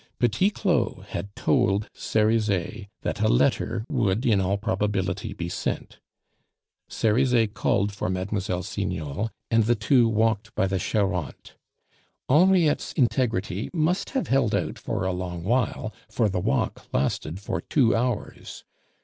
Petit Claud had told Cerizet that a letter would in all probability be sent. Cerizet called for Mlle. Signol, and the two walked by the Charente. Henriette's integrity must have held out for a long while, for the walk lasted for two hours.